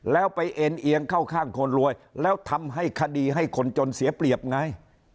แล้วไปเอ็นเอียงเข้าข้างคนรวยแล้วทำให้คดีให้คนจนเสียเปรียบไง